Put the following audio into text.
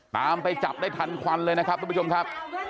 ไปจับได้ทันควันเลยนะครับทุกผู้ชมครับ